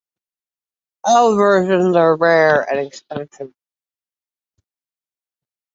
All versions are rare and expensive.